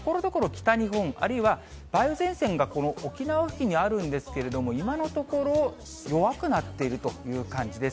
北日本、あるいは梅雨前線が、この沖縄付近にあるんですけれども、今のところ、弱くなっているという感じです。